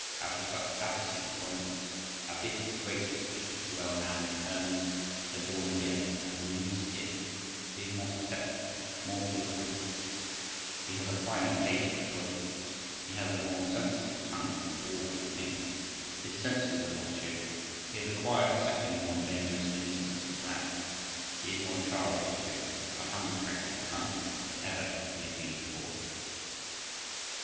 Out of such abysses, out of the abyss of great suspicion as well, a man returns as though born again, he has a new skin, he is more susceptible, more full of wickedness; he has a finer taste for joyfulness; he has a more sensitive tongue for all good things; his senses are more cheerful; he has acquired a second, more dangerous, innocence in gladness; he is more childish too, and a hundred times more cunning than ever he had been before.